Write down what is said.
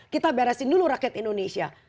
kita beresin dulu rakyat indonesia